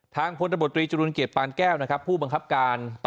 พลตบตรีจรุลเกียรปานแก้วนะครับผู้บังคับการ